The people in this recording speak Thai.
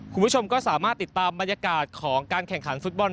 คุณผู้ชมก็สามารถติดตามบรรยากาศของการแข่งขันฟุตบอล